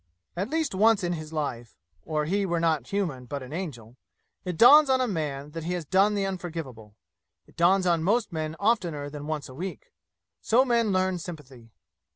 At least once in his life (or he were not human, but an angel) it dawns on a man that he has done the unforgivable. It dawns on most men oftener than once a week. So men learn sympathy.